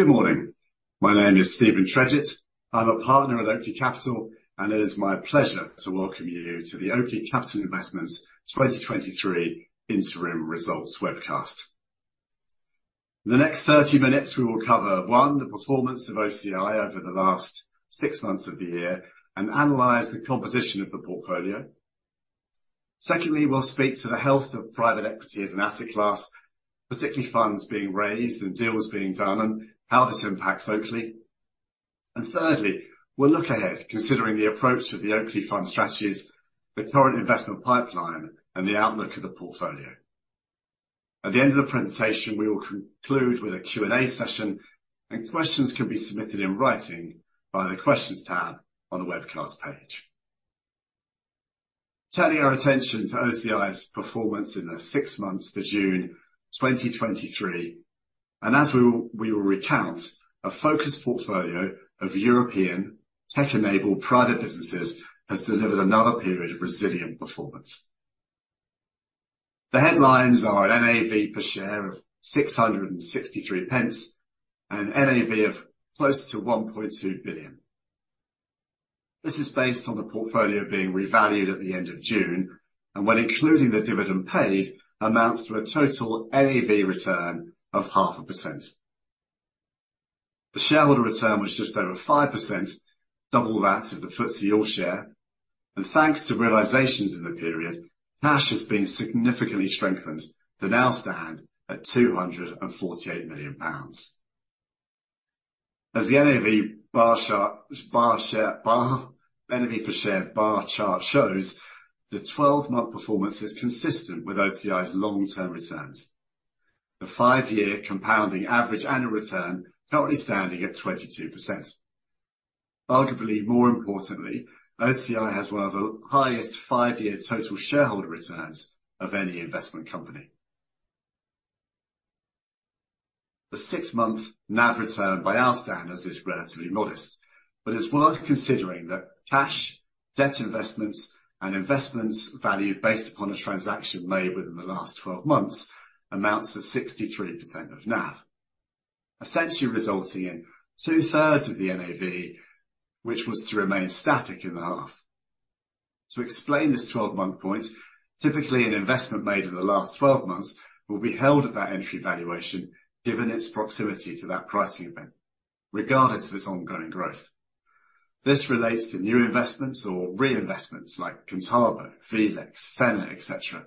Good morning. My name is Steven Tredget. I'm a Partner at Oakley Capital, and it is my pleasure to welcome you to the Oakley Capital Investments 2023 interim results webcast. In the next 30 minutes, we will cover, one, the performance of OCI over the last six months of the year and analyze the composition of the portfolio. Secondly, we'll speak to the health of private equity as an asset class, particularly funds being raised and deals being done, and how this impacts Oakley. And thirdly, we'll look ahead, considering the approach of the Oakley fund strategies, the current investment pipeline, and the outlook of the portfolio. At the end of the presentation, we will conclude with a Q&A session, and questions can be submitted in writing via the Questions tab on the Webcast page. Turning our attention to OCI's performance in the six months to June 2023, and as we will recount, a focused portfolio of European tech-enabled private businesses has delivered another period of resilient performance. The headlines are an NAV per share of GBX 663 and an NAV of close to 1.2 billion. This is based on the portfolio being revalued at the end of June, and when including the dividend paid, amounts to a total NAV return of 0.5%. The shareholder return was just over 5%, double that of the FTSE All-Share, and thanks to realizations in the period, cash has been significantly strengthened to now stand at 248 million pounds. As the NAV per share bar chart shows, the 12-month performance is consistent with OCI's long-term returns. The five-year compounding average annual return currently standing at 22%. Arguably more importantly, OCI has one of the highest five-year total shareholder returns of any investment company. The six-month NAV return by our standards, is relatively modest, but it's worth considering that cash, debt investments, and investments valued based upon a transaction made within the last 12 months amounts to 63% of NAV, essentially resulting in two-thirds of the NAV, which was to remain static in the half. To explain this 12-month point, typically, an investment made in the last 12 months will be held at that entry valuation given its proximity to that pricing event, regardless of its ongoing growth. This relates to new investments or reinvestments like Contabo, vLex, Phenna, et cetera,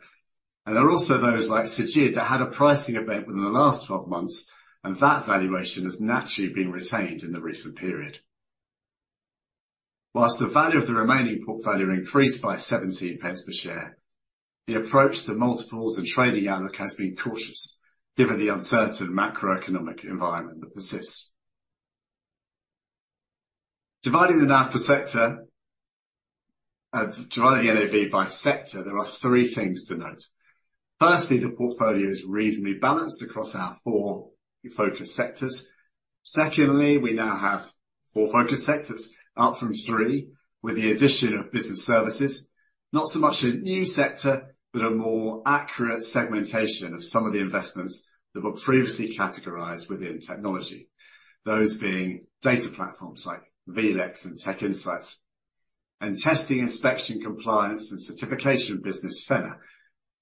and there are also those like Seedtag, that had a pricing event within the last 12 months, and that valuation has naturally been retained in the recent period. While the value of the remaining portfolio increased by 0.17 per share, the approach to multiples and trading outlook has been cautious given the uncertain macroeconomic environment that persists. Dividing the NAV per sector, dividing the NAV by sector, there are three things to note: firstly, the portfolio is reasonably balanced across our four focus sectors. Secondly, we now have four focus sectors, up from three, with the addition of business services. Not so much a new sector, but a more accurate segmentation of some of the investments that were previously categorized within technology, those being data platforms like vLex and TechInsights and testing, inspection, compliance, and certification business, Phenna,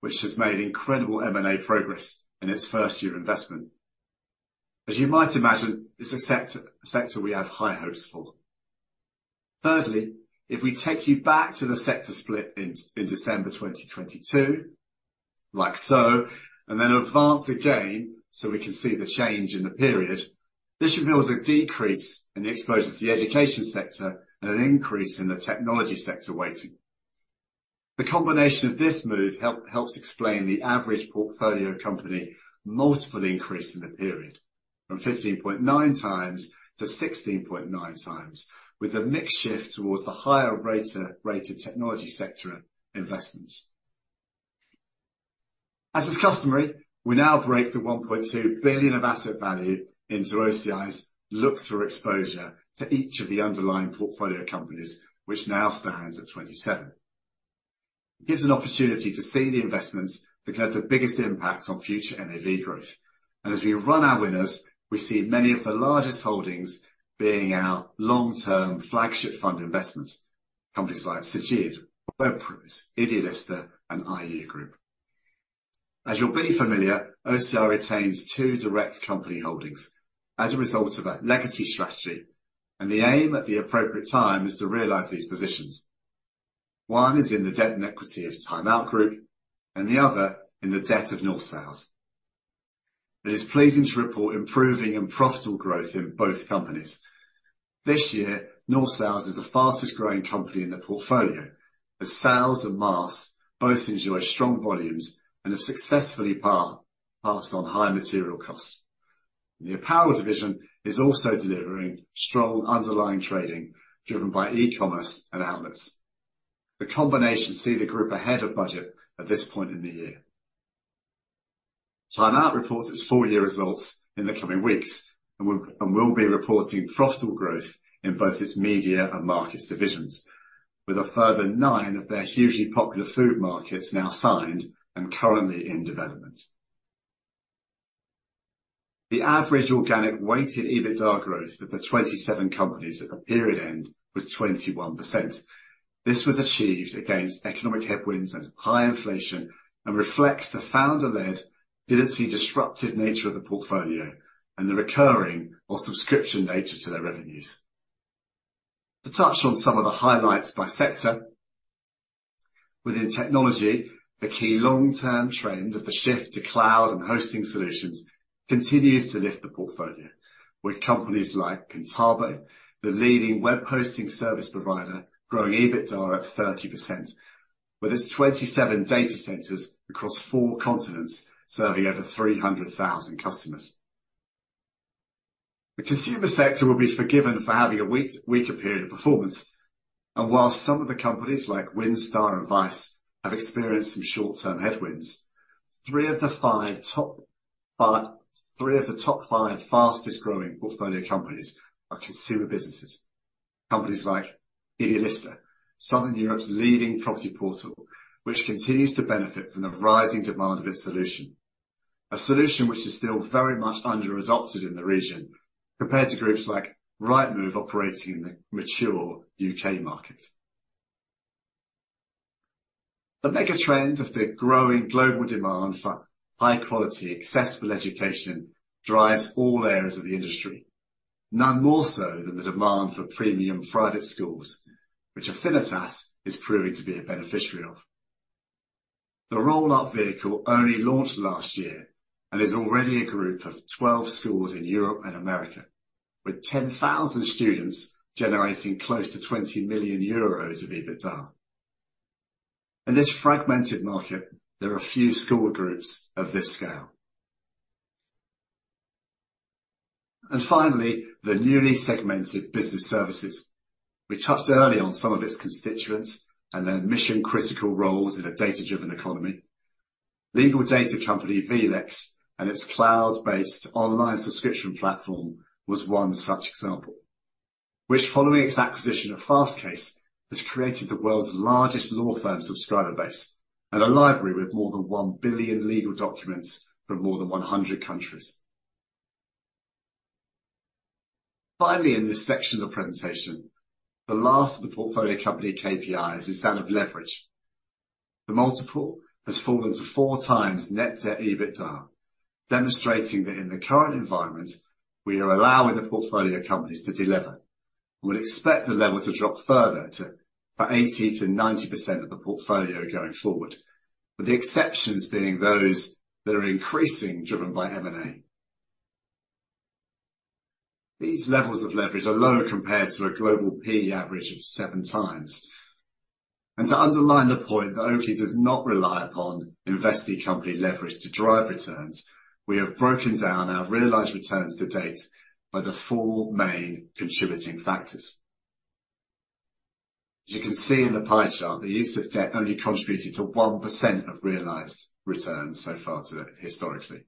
which has made incredible M&A progress in its first-year investment. As you might imagine, it's a sector we have high hopes for. Thirdly, if we take you back to the sector split in December 2022, like so, and then advance again, so we can see the change in the period, this reveals a decrease in the exposure to the education sector and an increase in the technology sector weighting. The combination of this move helps explain the average portfolio company multiple increase in the period, from 15.9x to 16.9x, with a mixed shift towards the higher rated technology sector investments. As is customary, we now break the 1.2 billion of asset value into OCI's look-through exposure to each of the underlying portfolio companies, which now stands at 27. It gives an opportunity to see the investments that have the biggest impact on future NAV growth. As we run our winners, we see many of the largest holdings being our long-term flagship fund investments, companies like Seedtag, WebPros, idealista, and IU Group. As you're very familiar, OCI retains two direct company holdings as a result of a legacy strategy, and the aim, at the appropriate time, is to realize these positions. One is in the debt and equity of Time Out Group and the other in the debt of North Sails. It is pleasing to report improving and profitable growth in both companies. This year, North Sails is the fastest-growing company in the portfolio. The sails and masts both enjoy strong volumes and have successfully passed on higher material costs. The apparel division is also delivering strong underlying trading, driven by e-commerce and outlets. The combination sees the group ahead of budget at this point in the year. Time Out reports its full year results in the coming weeks and will be reporting profitable growth in both its media and markets divisions with a further nine of their hugely popular food markets now signed and currently in development. The average organic weighted EBITDA growth of the 27 companies at the period end was 21%. This was achieved against economic headwinds and high inflation, and reflects the founder-led, D2C disruptive nature of the portfolio and the recurring or subscription nature to their revenues. To touch on some of the highlights by sector, within technology, the key long-term trend of the shift to cloud and hosting solutions continues to lift the portfolio, with companies like Contabo, the leading web hosting service provider, growing EBITDA at 30%, with its 27 data centers across four continents, serving over 300,000 customers. The consumer sector will be forgiven for having a weak, weaker period of performance, and while some of the companies like WindStar and Vice have experienced some short-term headwinds, three of the five, top five-- three of the top five fastest growing portfolio companies are consumer businesses. Companies like idealista, Southern Europe's leading property portal, which continues to benefit from the rising demand of its solution, a solution which is still very much under-adopted in the region compared to groups like Rightmove, operating in the mature U.K. market. The mega trend of the growing global demand for high-quality, accessible education drives all areas of the industry, none more so than the demand for premium private schools, which Affinitas is proving to be a beneficiary of. The roll-up vehicle only launched last year and is already a group of 12 schools in Europe and America, with 10,000 students generating close to 20 million euros of EBITDA. In this fragmented market, there are a few school groups of this scale. And finally, the newly segmented business services. We touched early on some of its constituents and their mission-critical roles in a data-driven economy. Legal data company vLex and its cloud-based online subscription platform was one such example, which, following its acquisition of Fastcase, has created the world's largest law firm subscriber base and a library with more than 1 billion legal documents from more than 100 countries. Finally, in this section of presentation, the last of the portfolio company KPIs is that of leverage. The multiple has fallen to 4x net debt EBITDA, demonstrating that in the current environment, we are allowing the portfolio companies to deliver and would expect the level to drop further to about 80%-90% of the portfolio going forward, with the exceptions being those that are increasing, driven by M&A. These levels of leverage are lower compared to a global P/E average of 7x. To underline the point that Oakley does not rely upon investee company leverage to drive returns, we have broken down our realized returns to date by the four main contributing factors. As you can see in the pie chart, the use of debt only contributed to 1% of realized returns so far to historically.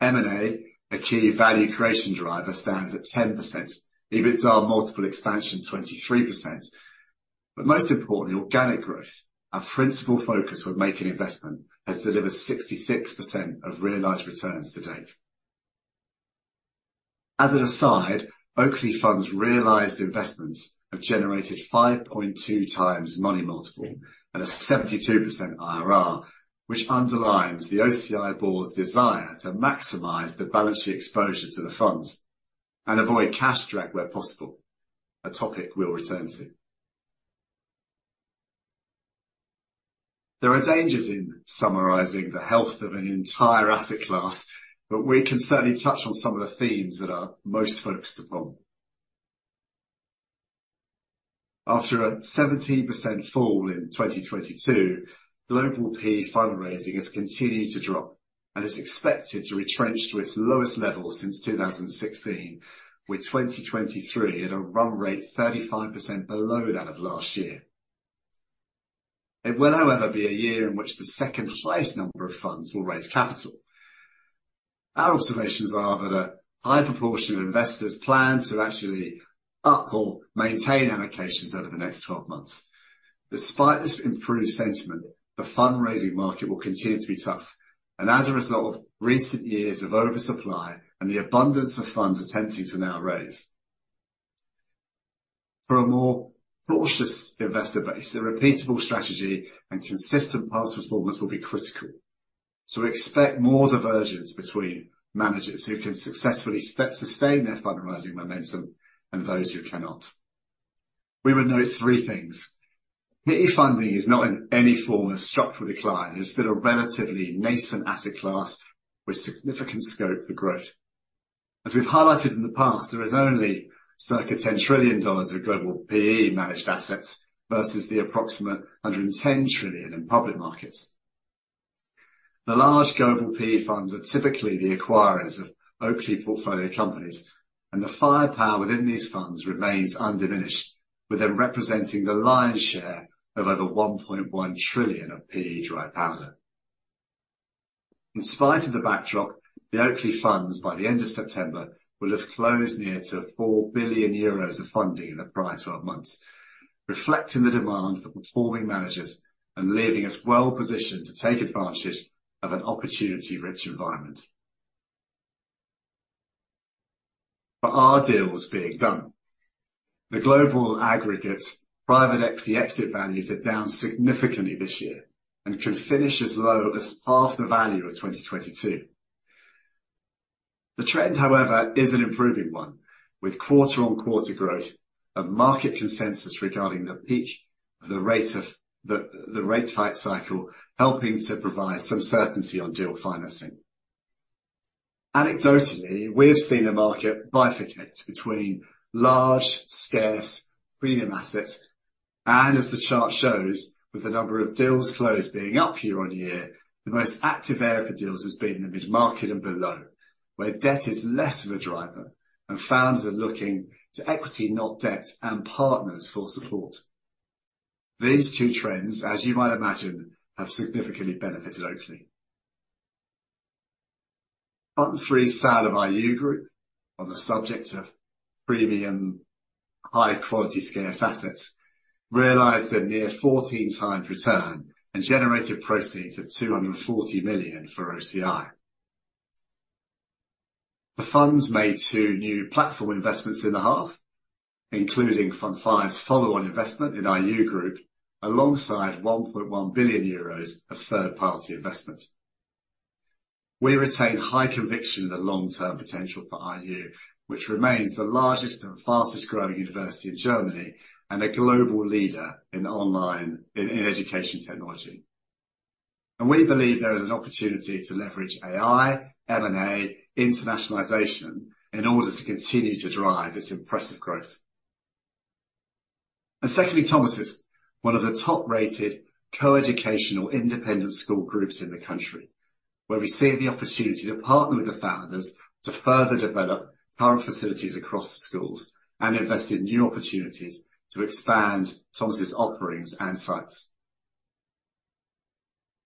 M&A, a key value creation driver, stands at 10%. EBITDA multiple expansion, 23%, but most importantly, organic growth. Our principal focus with making investment has delivered 66% of realized returns to date. As an aside, Oakley funds realized investments have generated 5.2x money multiple and a 72% IRR, which underlines the OCI board's desire to maximize the balance sheet exposure to the funds and avoid cash drag where possible, a topic we'll return to. There are dangers in summarizing the health of an entire asset class, but we can certainly touch on some of the themes that are most focused upon. After a 17% fall in 2022, global PE fundraising has continued to drop and is expected to retrench to its lowest level since 2016, with 2023 at a run rate 35% below that of last year. It will, however, be a year in which the second highest number of funds will raise capital. Our observations are that a high proportion of investors plan to actually up or maintain allocations over the next 12 months. Despite this improved sentiment, the fundraising market will continue to be tough and as a result of recent years of oversupply and the abundance of funds attempting to now raise. For a more cautious investor base, a repeatable strategy and consistent past performance will be critical, so expect more divergence between managers who can successfully sustain their fundraising momentum and those who cannot. We would note three things. P/E funding is not in any form of structural decline. It is still a relatively nascent asset class with significant scope for growth. As we've highlighted in the past, there is only circa $10 trillion of global P/E managed assets versus the approximate $110 trillion in public markets. The large global P/E funds are typically the acquirers of Oakley portfolio companies, and the firepower within these funds remains undiminished, with them representing the lion's share of over $1.1 trillion of P/E dry powder. In spite of the backdrop, the Oakley funds, by the end of September, will have closed near to 4 billion euros of funding in the prior 12 months, reflecting the demand for performing managers and leaving us well positioned to take advantage of an opportunity-rich environment. But our deal was being done. The global aggregate private equity exit values are down significantly this year and could finish as low as half the value of 2022. The trend, however, is an improving one, with quarter-on-quarter growth and market consensus regarding the peak of the rate hike cycle, helping to provide some certainty on deal financing. Anecdotally, we've seen the market bifurcate between large, scarce, premium assets, and as the chart shows, with the number of deals closed being up year-on-year, the most active area for deals has been in the mid-market and below, where debt is less of a driver and founders are looking to equity, not debt, and partners for support. These two trends, as you might imagine, have significantly benefited Oakley. Fund 3 sale of IU Group, on the subject of premium, high-quality, scarce assets, realized a near 14 times return and generated proceeds of 240 million for OCI. The funds made two new platform investments in the half, including Fund V's follow-on investment in IU Group, alongside 1.1 billion euros of third-party investment. We retain high conviction in the long-term potential for IU, which remains the largest and fastest-growing university in Germany and a global leader in online education technology. We believe there is an opportunity to leverage AI, M&A, internationalization in order to continue to drive its impressive growth. Secondly, Thomas's, one of the top-rated co-educational independent school groups in the country, where we see the opportunity to partner with the founders to further develop current facilities across the schools and invest in new opportunities to expand Thomas's offerings and sites.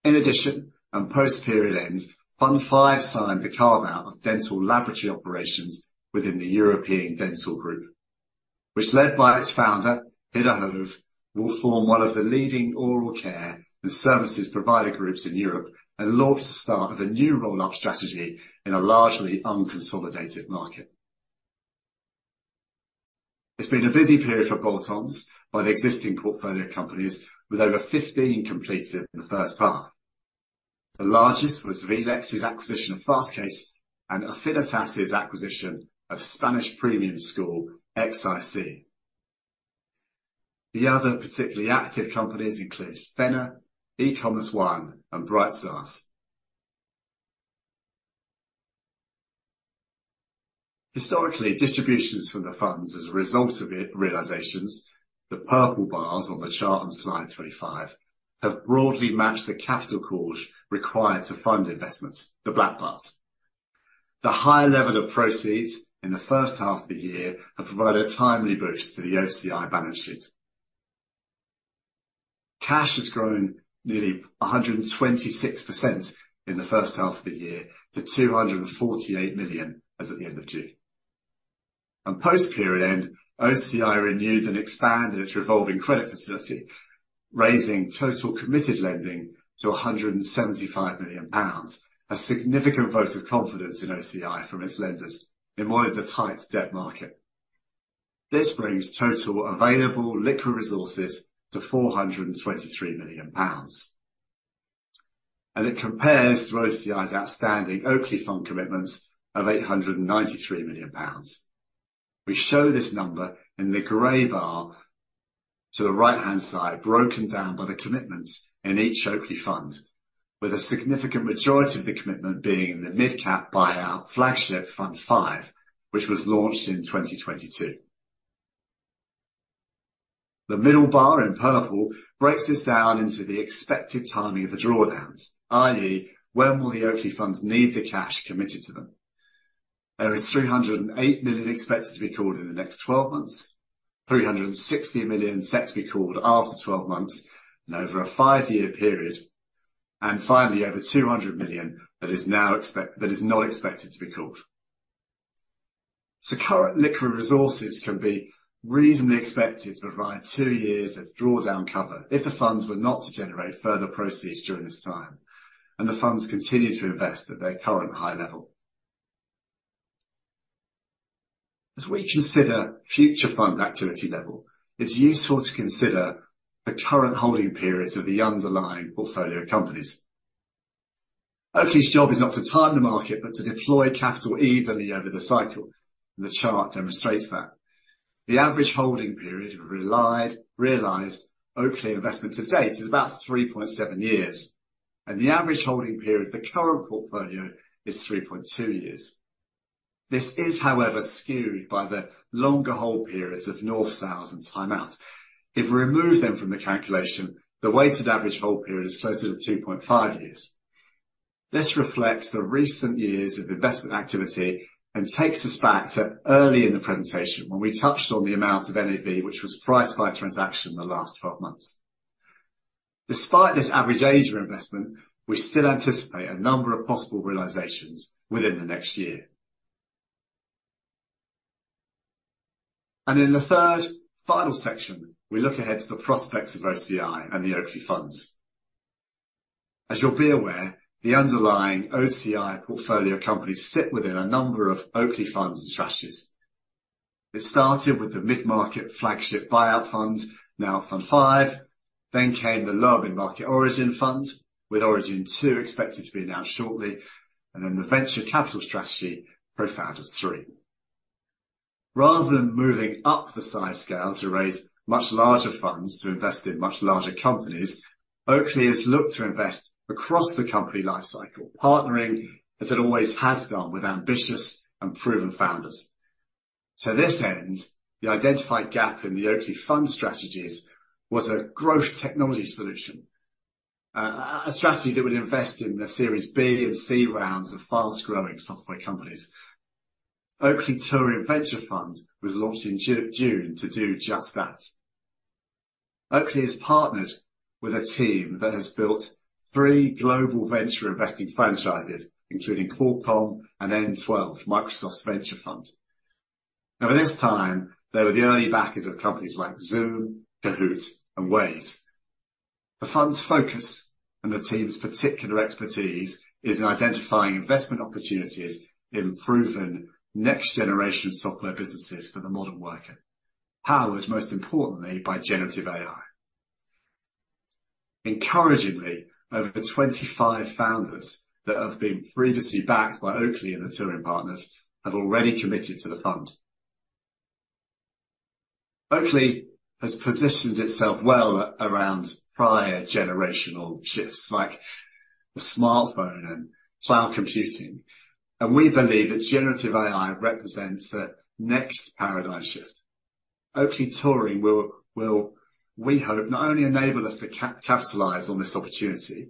In addition, and post-period end, Fund V signed the carve-out of dental laboratory operations within the European Dental Group, which, led by its founder, Hidde Hoeve, will form one of the leading oral care and services provider groups in Europe and launch the start of a new roll-up strategy in a largely unconsolidated market. It's been a busy period for bolt-ons by the existing portfolio companies, with over 15 completed in the first half. The largest was vLex's acquisition of Fastcase and Affinitas' acquisition of Spanish premium school XIC. The other particularly active companies include Phenna, ECOMMERCE ONE, and Bright Stars. Historically, distributions from the funds as a result of re-realizations, the purple bars on the chart on slide 25, have broadly matched the capital calls required to fund investments, the black bars. The higher level of proceeds in the first half of the year have provided a timely boost to the OCI balance sheet. Cash has grown nearly 126% in the first half of the year to 248 million as at the end of June. On post-period end, OCI renewed and expanded its revolving credit facility, raising total committed lending to 175 million pounds, a significant vote of confidence in OCI from its lenders in what is a tight debt market. This brings total available liquid resources to 423 million pounds, and it compares to OCI's outstanding Oakley fund commitments of 893 million pounds. We show this number in the gray bar to the right-hand side, broken down by the commitments in each Oakley fund, with a significant majority of the commitment being in the mid-cap buyout flagship Fund V, which was launched in 2022. The middle bar, in purple, breaks this down into the expected timing of the drawdowns, i.e., when will the Oakley funds need the cash committed to them? There is 308 million expected to be called in the next twelve months, 360 million set to be called after twelve months and over a five-year period, and finally, over 200 million that is not expected to be called. Current liquid resources can be reasonably expected to provide two years of drawdown cover if the funds were not to generate further proceeds during this time, and the funds continue to invest at their current high level. As we consider future fund activity level, it's useful to consider the current holding periods of the underlying portfolio companies. Oakley's job is not to time the market, but to deploy capital evenly over the cycle. The chart demonstrates that. The average holding period of realized Oakley investments to date is about 3.7 years, and the average holding period for the current portfolio is 3.2 years. This is, however, skewed by the longer hold periods of North Sails and Time Out. If we remove them from the calculation, the weighted average hold period is closer to 2.5 years. This reflects the recent years of investment activity and takes us back to early in the presentation when we touched on the amount of NAV, which was priced by a transaction in the last 12 months. Despite this average age of investment, we still anticipate a number of possible realizations within the next year. And in the third final section, we look ahead to the prospects of OCI and the Oakley funds. As you'll be aware, the underlying OCI portfolio companies sit within a number of Oakley funds and strategies. It started with the mid-market flagship buyout fund, now Fund 5. Then came the lower mid-market Origin fund, with Origin 2 expected to be announced shortly, and then the venture capital strategy, PROfounders 3. Rather than moving up the size scale to raise much larger funds to invest in much larger companies, Oakley has looked to invest across the company lifecycle, partnering, as it always has done, with ambitious and proven founders. To this end, the identified gap in the Oakley fund strategies was a growth technology solution, a strategy that would invest in the Series B and C rounds of fast-growing software companies. Oakley Touring Venture Fund was launched in June to do just that. Oakley has partnered with a team that has built three global venture investing franchises, including Qualcomm and M12, Microsoft's venture fund. Now, this time, they were the early backers of companies like Zoom, Kahoot, and Waze. The fund's focus and the team's particular expertise is in identifying investment opportunities in proven next-generation software businesses for the modern worker, powered most importantly, by Generative AI. Encouragingly, over 25 founders that have been previously backed by Oakley and the Touring partners have already committed to the fund. Oakley has positioned itself well around prior generational shifts, like the smartphone and cloud computing, and we believe that Generative AI represents the next paradigm shift. Oakley Touring will, we hope, not only enable us to capitalize on this opportunity,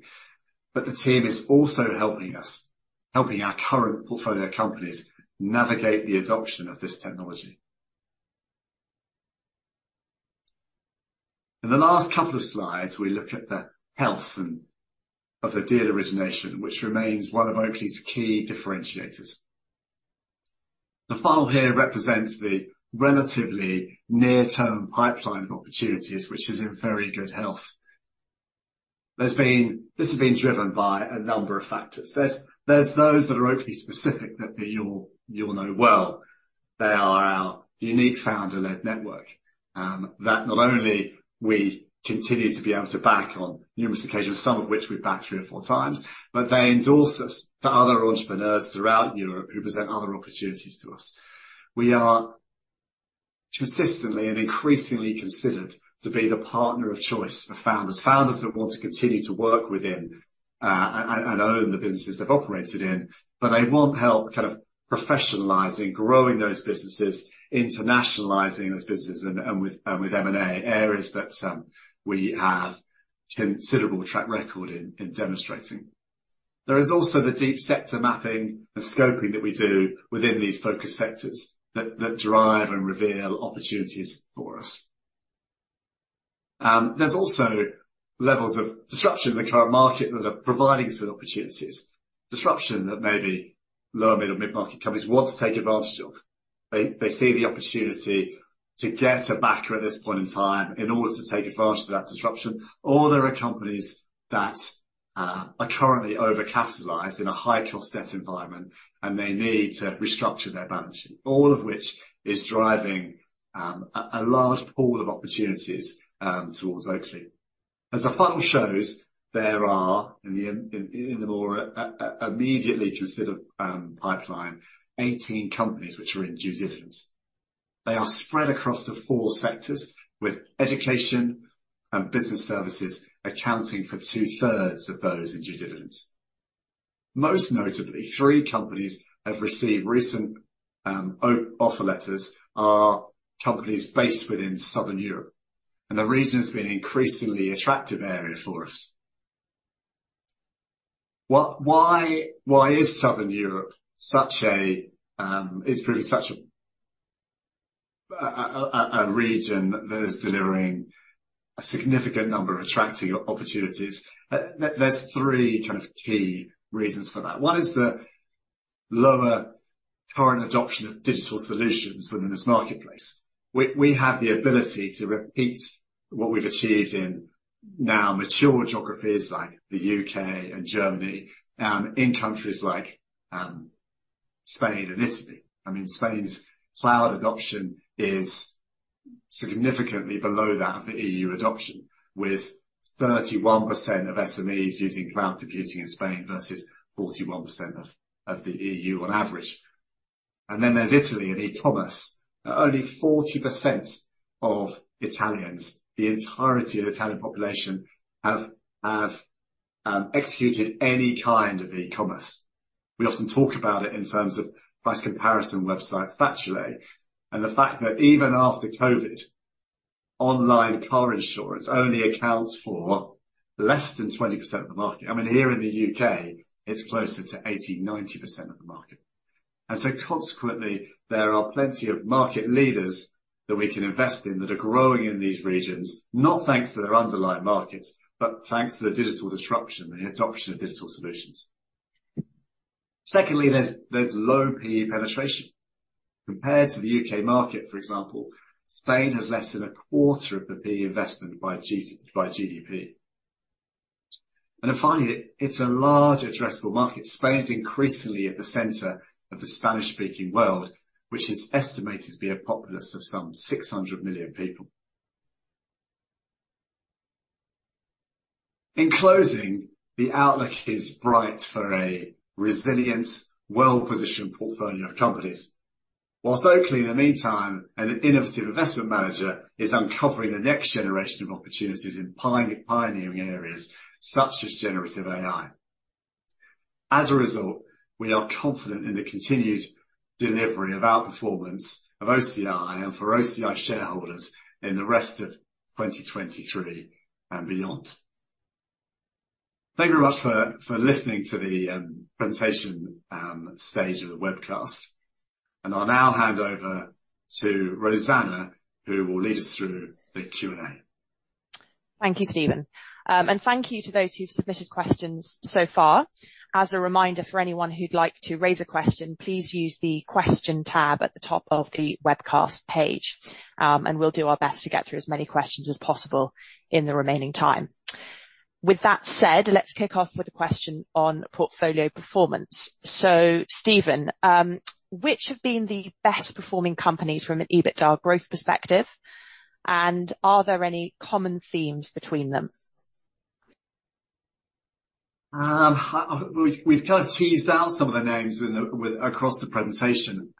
but the team is also helping us, helping our current portfolio companies navigate the adoption of this technology. In the last couple of slides, we look at the health of the deal origination, which remains one of Oakley's key differentiators. The funnel here represents the relatively near-term pipeline of opportunities, which is in very good health. This has been driven by a number of factors. There's those that are Oakley specific, that you'll know well. They are our unique founder-led network, that not only we continue to be able to back on numerous occasions, some of which we've backed three or four times, but they endorse us to other entrepreneurs throughout Europe who present other opportunities to us. We are consistently and increasingly considered to be the partner of choice for founders, founders that want to continue to work within, and own the businesses they've operated in, but they want help kind of professionalizing, growing those businesses, internationalizing those businesses, and with M&A, areas that we have considerable track record in demonstrating. There is also the deep sector mapping and scoping that we do within these focus sectors that drive and reveal opportunities for us. There's also levels of disruption in the current market that are providing us with opportunities, disruption that maybe lower, middle, mid-market companies want to take advantage of. They see the opportunity to get it back at this point in time in order to take advantage of that disruption. Or there are companies that are currently overcapitalized in a high-cost debt environment, and they need to restructure their balance sheet, all of which is driving a large pool of opportunities towards Oakley. As the funnel shows, there are in the more immediately considered pipeline, 18 companies which are in due diligence. They are spread across the four sectors, with education and business services accounting for two-thirds of those in due diligence. Most notably, three companies have received recent offer letters are companies based within Southern Europe, and the region's been an increasingly attractive area for us. Why is Southern Europe such a region that is delivering a significant number, attracting opportunities? There are three kind of key reasons for that. One is the lower current adoption of digital solutions within this marketplace. We have the ability to repeat what we've achieved in now mature geographies like the U.K. and Germany in countries like Spain and Italy. I mean, Spain's cloud adoption is significantly below that of the EU adoption, with 31% of SMEs using cloud computing in Spain versus 41% of the EU on average. And then there's Italy and e-commerce. Only 40% of Italians, the entirety of the Italian population, have executed any kind of e-commerce. We often talk about it in terms of price comparison website, Facile, and the fact that even after COVID, online car insurance only accounts for less than 20% of the market. I mean, here in the U.K., it's closer to 80%-90% of the market. And so consequently, there are plenty of market leaders that we can invest in that are growing in these regions, not thanks to their underlying markets, but thanks to the digital disruption and the adoption of digital solutions. Secondly, there's low PE penetration. Compared to the U.K. market, for example, Spain has less than a quarter of the PE investment by GDP. And then finally, it's a large addressable market. Spain is increasingly at the center of the Spanish-speaking world, which is estimated to be a populace of some 600 million people. In closing, the outlook is bright for a resilient, well-positioned portfolio of companies. While Oakley, in the meantime, an innovative investment manager, is uncovering the next generation of opportunities in pioneering areas such as Generative AI. As a result, we are confident in the continued delivery of outperformance of OCI and for OCI shareholders in the rest of 2023 and beyond. Thank you very much for listening to the presentation stage of the webcast, and I'll now hand over to Rosanna, who will lead us through the Q&A. Thank you, Steven. And thank you to those who've submitted questions so far. As a reminder for anyone who'd like to raise a question, please use the question tab at the top of the webcast page, and we'll do our best to get through as many questions as possible in the remaining time. With that said, let's kick off with a question on portfolio performance. So, Steven, which have been the best performing companies from an EBITDA growth perspective, and are there any common themes between them? We've kind of teased out some of the names with the... Across the presentation.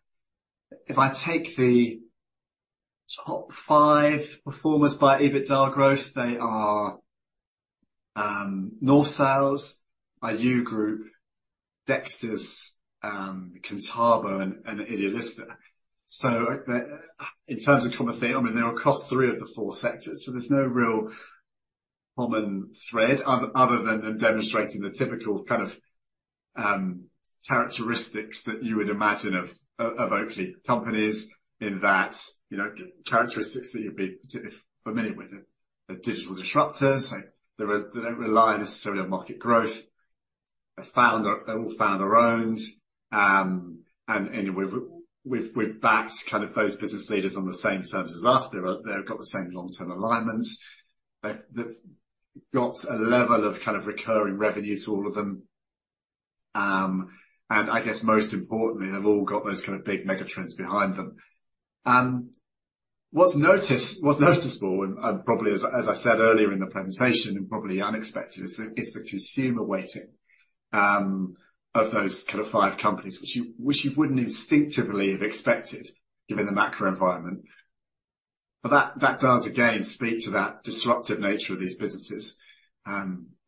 If I take the top five performers by EBITDA growth, they are North Sails, IU Group, Dexters, Contabo and idealista. So in terms of common theme, I mean, they're across three of the four sectors, so there's no real common thread other than them demonstrating the typical kind of characteristics that you would imagine of Oakley companies, in that you know, characteristics that you'd be particularly familiar with. They're digital disruptors. They don't rely necessarily on market growth. They're all founder-owned, and we've backed kind of those business leaders on the same terms as us. They've got the same long-term alignments. They've got a level of kind of recurring revenue to all of them. And I guess most importantly, they've all got those kind of big megatrends behind them. What's noticeable, and probably as I said earlier in the presentation, and probably unexpected, is the consumer weighting of those kind of five companies, which you wouldn't instinctively have expected, given the macro environment. But that does again speak to that disruptive nature of these businesses.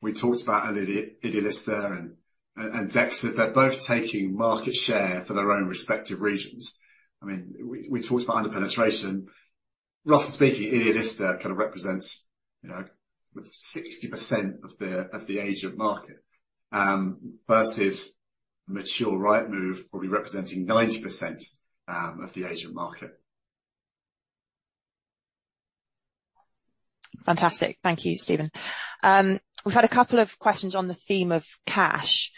We talked about idealista and Dexters. They're both taking market share for their own respective regions. I mean, we talked about under-penetration. Roughly speaking, idealista kind of represents, you know, 60% of the agent market versus mature Rightmove, probably representing 90% of the agent market. Fantastic. Thank you, Steven. We've had a couple of questions on the theme of cash.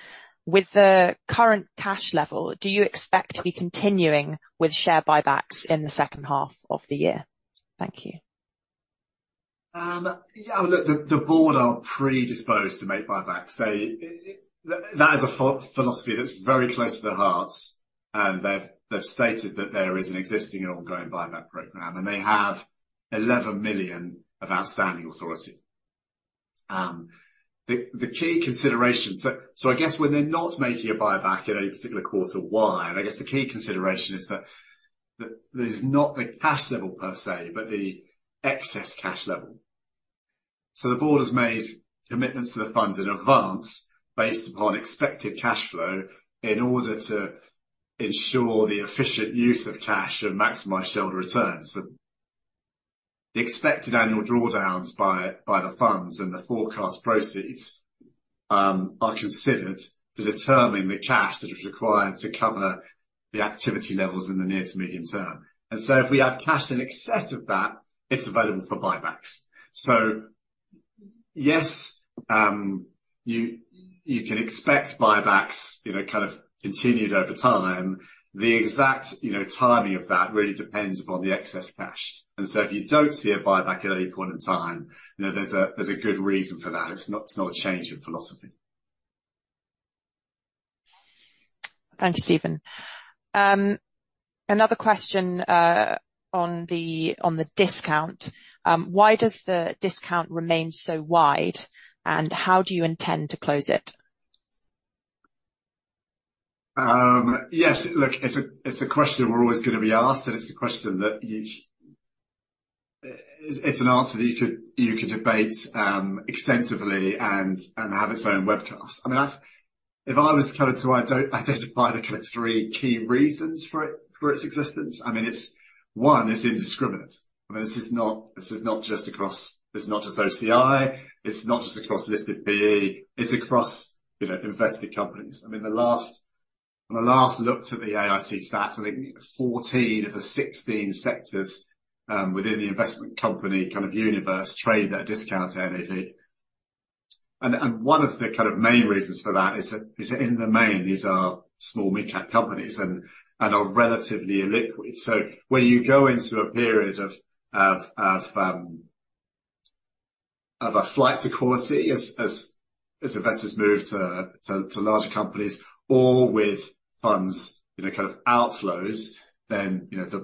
With the current cash level, do you expect to be continuing with share buybacks in the second half of the year? Thank you. Yeah, look, the board are predisposed to make buybacks. They. That is a philosophy that's very close to their hearts, and they've stated that there is an existing and ongoing buyback program, and they have 11 million of outstanding authority. The key considerations, so I guess when they're not making a buyback in any particular quarter, why? And I guess the key consideration is that there's not the cash level per se, but the excess cash level. So the board has made commitments to the funds in advance based upon expected cash flow in order to ensure the efficient use of cash and maximize shareholder returns. So the expected annual drawdowns by the funds and the forecast proceeds are considered to determine the cash that is required to cover the activity levels in the near to medium term. So if we have cash in excess of that, it's available for buybacks. So, yes, you can expect buybacks, you know, kind of continued over time. The exact, you know, timing of that really depends upon the excess cash, and so if you don't see a buyback at any point in time, you know, there's a good reason for that. It's not a change in philosophy. Thank you, Steven. Another question, on the discount: why does the discount remain so wide, and how do you intend to close it? Yes, look, it's a, it's a question we're always gonna be asked, and it's a question that you... It, it's an answer that you could, you could debate extensively and, and have its own webcast. I mean, I've-- If I was called to identify the kind of three key reasons for it, for its existence, I mean, it's, one, it's indiscriminate. I mean, this is not, this is not just across, it's not just OCI, it's not just across listed PE, it's across, you know, invested companies. I mean, When I last looked at the AIC stats, I think 14 of the 16 sectors, within the investment company, kind of universe trade at a discount to NAV. One of the kind of main reasons for that is that in the main, these are small mid-cap companies and are relatively illiquid. So when you go into a period of a flight to quality as investors move to larger companies or with funds, you know, kind of outflows, then, you know,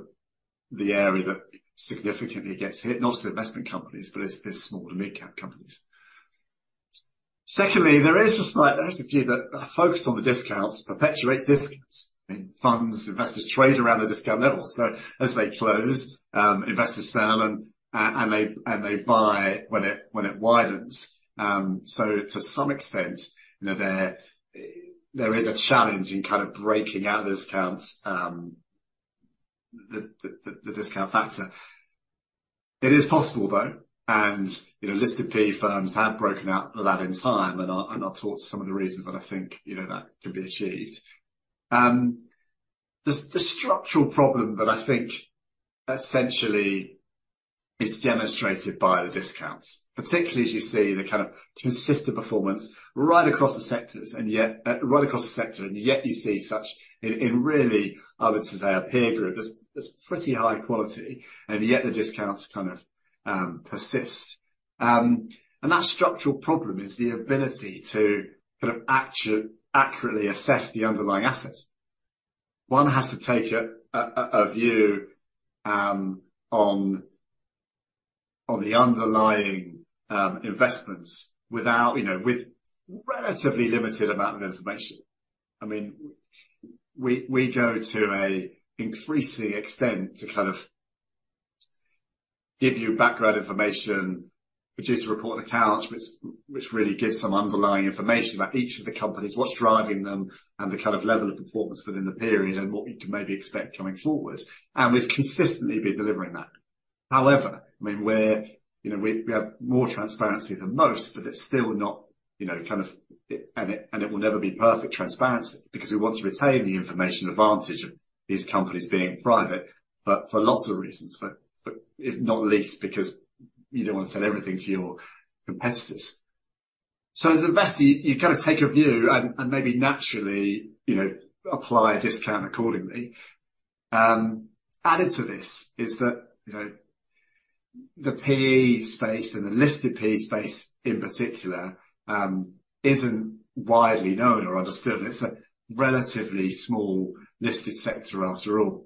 the area that significantly gets hit, not as investment companies, but is small and mid-cap companies. Secondly, there is a slight. There's a few that are focused on the discounts, perpetuate discounts. I mean, funds, investors trade around the discount level, so as they close, investors sell and they buy when it widens. So to some extent, you know, there is a challenge in kind of breaking out the discounts, the discount factor. It is possible though, and, you know, listed PE firms have broken out of that in time, and I'll talk to some of the reasons that I think, you know, that can be achieved. The structural problem that I think essentially is demonstrated by the discounts, particularly as you see the kind of consistent performance right across the sectors, and yet, right across the sector, and yet you see such inconsistency, really, I would say, in a peer group that's pretty high quality, and yet the discounts kind of persist. And that structural problem is the ability to kind of accurately assess the underlying assets. One has to take a view on the underlying investments without, you know, with relatively limited amount of information. I mean, we go to an increasing extent to kind of give you background information, which is a report on accounts, which really gives some underlying information about each of the companies, what's driving them, and the kind of level of performance within the period and what you can maybe expect coming forward. And we've consistently been delivering that. However, I mean, we're, you know, we have more transparency than most, but it's still not, you know, kind of. And it will never be perfect transparency because we want to retain the information advantage of these companies being private, but for lots of reasons, but not least because you don't want to tell everything to your competitors. So as an investor, you kind of take a view and maybe naturally, you know, apply a discount accordingly. Added to this is that, you know, the PE space and the listed PE space in particular isn't widely known or understood. It's a relatively small listed sector after all.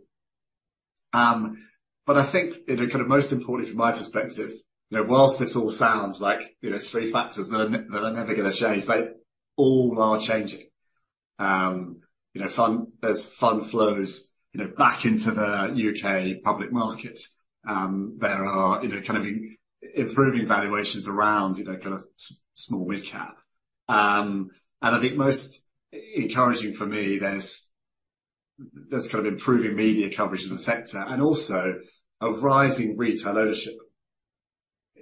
But I think, you know, kind of most importantly from my perspective, you know, while this all sounds like, you know, three factors that are never gonna change, they all are changing. You know, there's fund flows, you know, back into the U.K. public markets. There are, you know, kind of improving valuations around, you know, kind of small mid-cap. And I think most encouraging for me, there's kind of improving media coverage in the sector and also a rising retail ownership.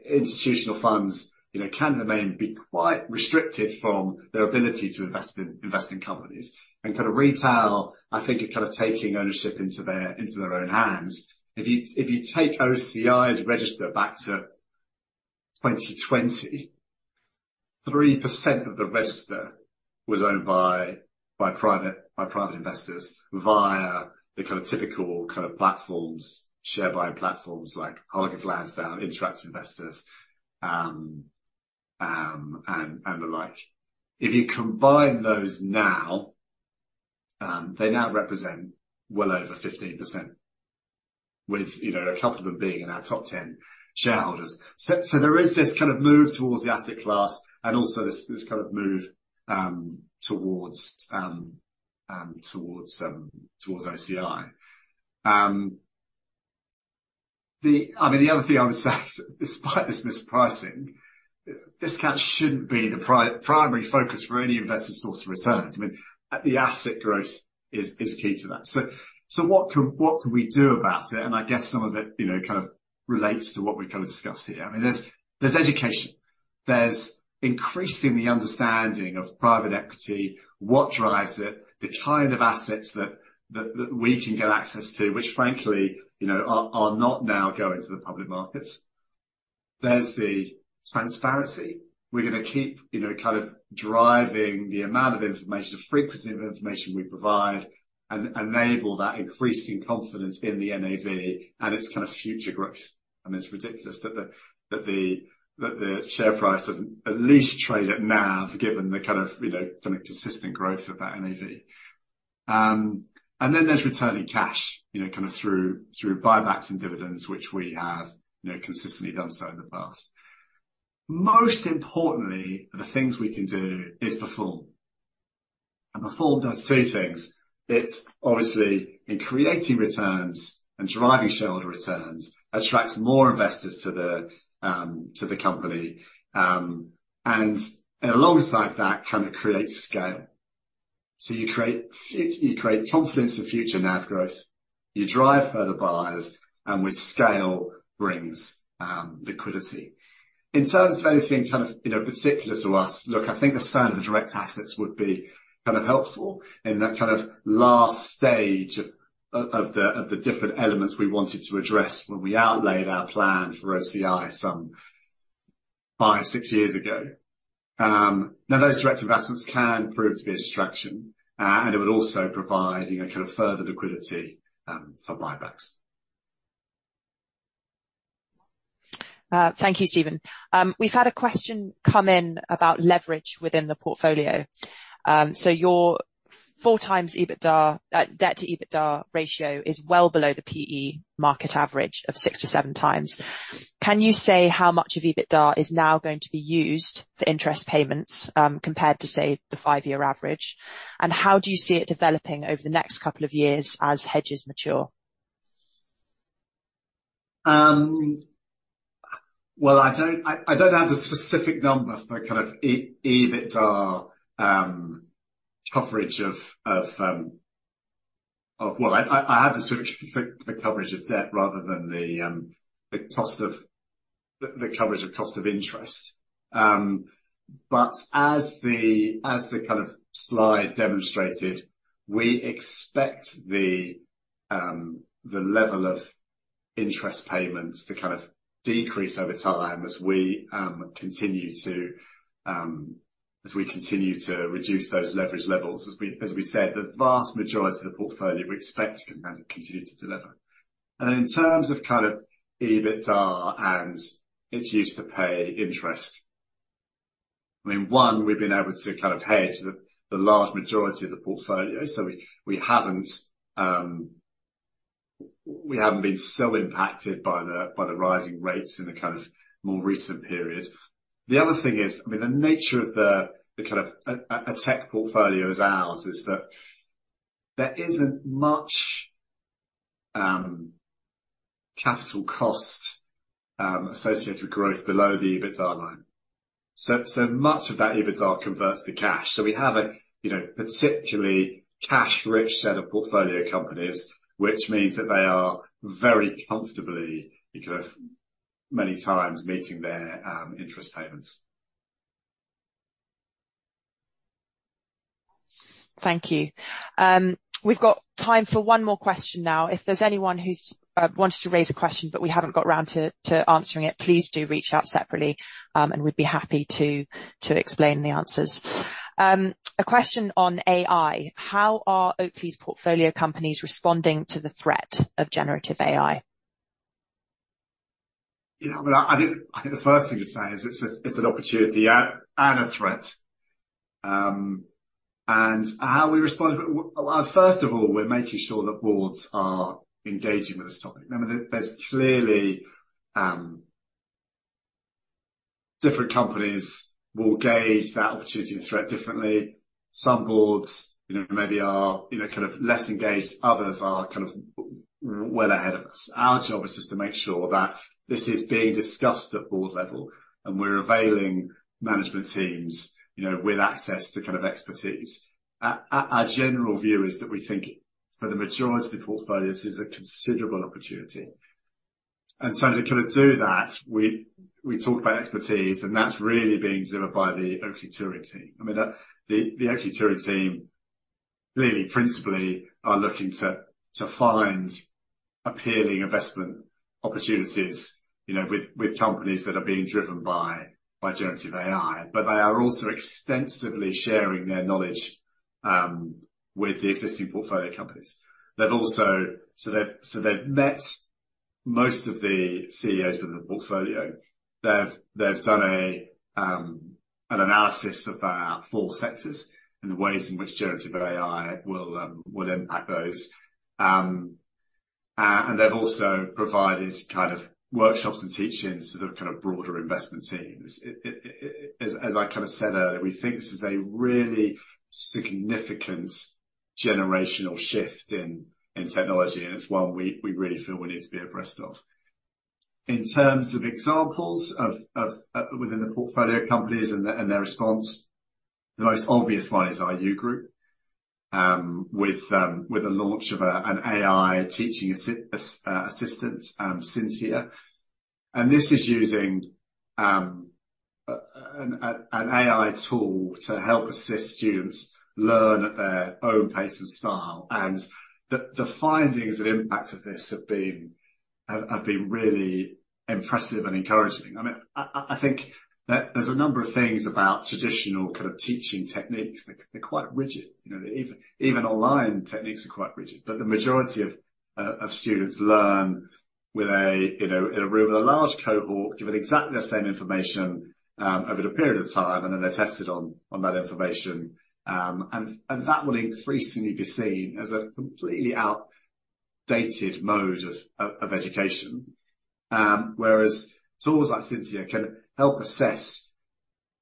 Institutional funds, you know, can remain quite restricted from their ability to invest in companies. And kind of retail, I think are kind of taking ownership into their own hands. If you take OCI's register back to 2020, 3% of the register was owned by private investors via the kind of typical platforms, share buying platforms like Hargreaves Lansdown, Interactive Investor, and the like. If you combine those now, they now represent well over 15% with, you know, a couple of them being in our top 10 shareholders. So there is this kind of move towards the asset class and also this kind of move towards OCI. I mean, the other thing I would say, despite this mispricing, discount shouldn't be the primary focus for any investor source of returns. I mean, the asset growth is key to that. So what can we do about it? And I guess some of it, you know, kind of relates to what we kind of discussed here. I mean, there's education, there's increasing the understanding of private equity, what drives it, the kind of assets that we can get access to, which frankly, you know, are not now going to the public markets. There's the transparency. We're gonna keep, you know, kind of driving the amount of information, the frequency of information we provide, and enable that increasing confidence in the NAV and its kind of future growth. I mean, it's ridiculous that the share price doesn't at least trade at NAV, given the kind of, you know, kind of consistent growth of that NAV. And then there's returning cash, you know, kind of through buybacks and dividends, which we have, you know, consistently done so in the past. Most importantly, the things we can do is perform, and perform does two things: It's obviously in creating returns and driving shareholder returns, attracts more investors to the company, and alongside that, kind of creates scale. So you create confidence in future NAV growth. You drive further buyers, and with scale brings liquidity. In terms of anything kind of, you know, particular to us, look, I think the sale of direct assets would be kind of helpful in that kind of last stage of the different elements we wanted to address when we outlaid our plan for OCI some five, six years ago. Now those direct investments can prove to be a distraction, and it would also provide, you know, kind of further liquidity for buybacks. Thank you, Steven. We've had a question come in about leverage within the portfolio. So your 4x EBITDA, debt to EBITDA ratio is well below the PE market average of 6-7x. Can you say how much of EBITDA is now going to be used for interest payments, compared to, say, the 5-year average? And how do you see it developing over the next couple of years as hedges mature? Well, I don't have the specific number for kind of EBITDA coverage of... Well, I have the specific coverage of debt rather than the coverage of the cost of interest. But as the kind of slide demonstrated, we expect the level of interest payments to kind of decrease over time as we continue to reduce those leverage levels. As we said, the vast majority of the portfolio we expect to kind of continue to deliver. And then in terms of kind of EBITDA and its use to pay interest, I mean, one, we've been able to kind of hedge the large majority of the portfolio. So we haven't been so impacted by the rising rates in the kind of more recent period. The other thing is, I mean, the nature of the kind of a tech portfolio as ours is that there isn't much capital cost associated with growth below the EBITDA line. So much of that EBITDA converts to cash. So we have a, you know, particularly cash-rich set of portfolio companies, which means that they are very comfortably kind of many times meeting their interest payments. Thank you. We've got time for one more question now. If there's anyone who's wanted to raise a question, but we haven't got around to answering it, please do reach out separately, and we'd be happy to explain the answers. A question on AI: How are Oakley's portfolio companies responding to the threat of Generative AI? Yeah, well, I think, I think the first thing to say is it's a, it's an opportunity, and a threat. And how we respond... Well, first of all, we're making sure that boards are engaging with this topic. I mean, there's clearly, different companies will gauge that opportunity and threat differently. Some boards, you know, maybe are, you know, kind of less engaged, others are kind of well ahead of us. Our job is just to make sure that this is being discussed at board level, and we're availing management teams, you know, with access to kind of expertise. Our general view is that we think for the majority of the portfolios, this is a considerable opportunity. And so to kind of do that, we, we talk about expertise, and that's really being delivered by the Oakley Touring team. I mean, the Oakley Touring team really principally are looking to find appealing investment opportunities, you know, with companies that are being driven by Generative AI, but they are also extensively sharing their knowledge with the existing portfolio companies. So they've met most of the CEOs within the portfolio. They've done an analysis of our four sectors and the ways in which Generative AI will impact those. And they've also provided kind of workshops and teachings to the kind of broader investment teams. As I kind of said earlier, we think this is a really significant generational shift in technology, and it's one we really feel we need to be abreast of. In terms of examples of within the portfolio companies and their response, the most obvious one is IU Group, with the launch of an AI teaching assistant, Syntea. This is using an AI tool to help assist students learn at their own pace and style, and the findings and impact of this have been really impressive and encouraging. I mean, I think that there's a number of things about traditional kind of teaching techniques. They're quite rigid, you know, even online techniques are quite rigid. But the majority of students learn with a, you know, in a room with a large cohort, given exactly the same information, over a period of time, and then they're tested on that information. And that will increasingly be seen as a completely outdated mode of education. Whereas tools like Syntea can help assess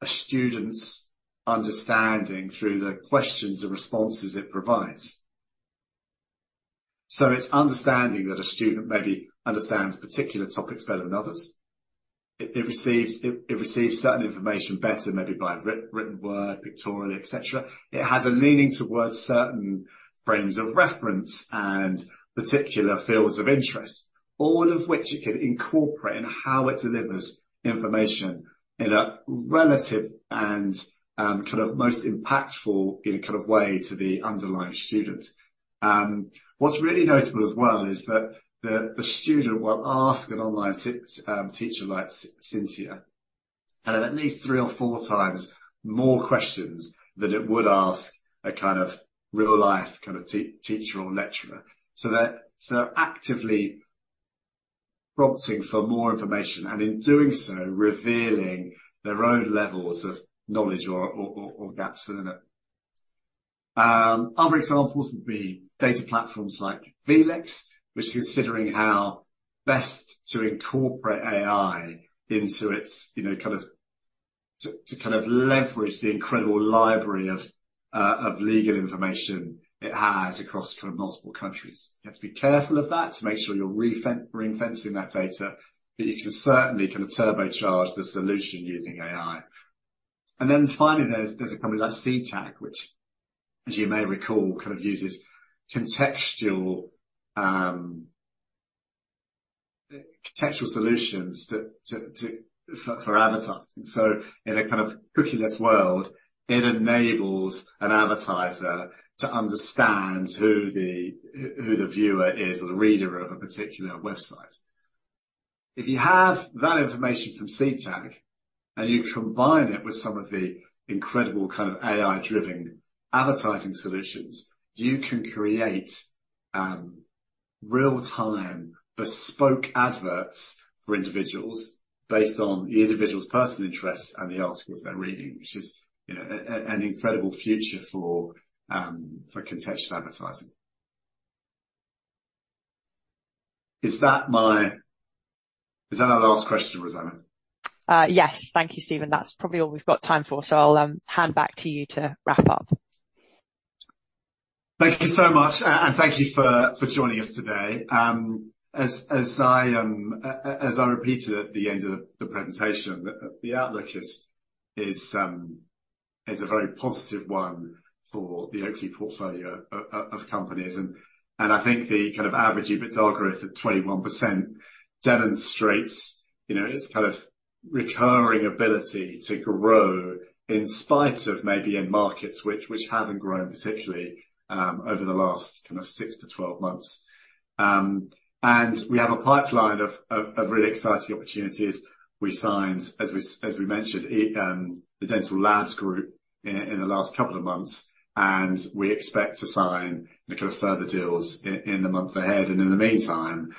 a student's understanding through the questions and responses it provides. So it's understanding that a student maybe understands particular topics better than others. It receives certain information better, maybe by written word, pictorial, et cetera. It has a leaning towards certain frames of reference and particular fields of interest, all of which it can incorporate in how it delivers information in a relative and kind of most impactful in a kind of way to the underlying student. What's really notable as well is that the student will ask an online teacher, like Syntea, at least three or four times more questions than it would ask a kind of real-life kind of teacher or lecturer. So they're actively prompting for more information and in doing so, revealing their own levels of knowledge or gaps within it. Other examples would be data platforms like vLex, which is considering how best to incorporate AI into its to leverage the incredible library of legal information it has across multiple countries. You have to be careful of that to make sure you're ring-fencing that data, but you can certainly kind of turbocharge the solution using AI. Then finally, there's a company like Seedtag, which as you may recall, kind of uses contextual solutions for advertising. So in a kind of cookieless world, it enables an advertiser to understand who the viewer is or the reader of a particular website. If you have that information from Seedtag, and you combine it with some of the incredible kind of AI-driven advertising solutions, you can create real-time, bespoke adverts for individuals based on the individual's personal interests and the articles they're reading, which is, you know, an incredible future for contextual advertising. Is that my... Is that our last question, Rosanna? Yes. Thank you, Steven. That's probably all we've got time for, so I'll hand back to you to wrap up. Thank you so much, and thank you for joining us today. As I repeated at the end of the presentation, the outlook is a very positive one for the Oakley portfolio of companies. And I think the kind of average EBITDA growth of 21% demonstrates, you know, its kind of recurring ability to grow in spite of maybe in markets which haven't grown particularly over the last kind of six to 12 months. And we have a pipeline of really exciting opportunities. We signed, as we mentioned, the European Dental Group in the last couple of months, and we expect to sign the kind of further deals in the month ahead. In the meantime,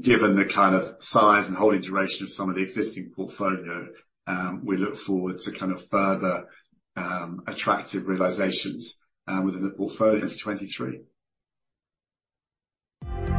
given the kind of size and holding duration of some of the existing portfolio, we look forward to kind of further attractive realizations within the portfolio as 2023.